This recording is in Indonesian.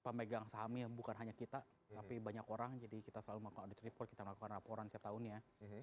pemegang sahamnya bukan hanya kita tapi banyak orang jadi kita selalu melakukan audit report kita melakukan laporan setiap tahunnya